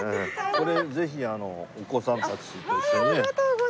これぜひお子さんたちと一緒にね。